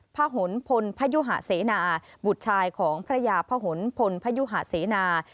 พระหนภนพยุหาเสนาบุตรชายของพระยาพระหนภนพยุหาเสนา